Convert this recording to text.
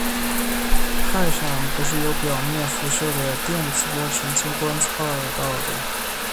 氦闪不是由表面辐射的电磁波直接观测到的。